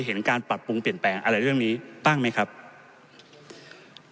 เห็นการปรับปรุงเปลี่ยนแปลงอะไรเรื่องนี้บ้างไหมครับ